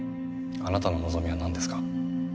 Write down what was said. あなたの望みはなんですか？